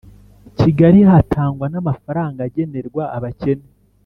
Kigali hatangwa n amafaranga agenerwa abakene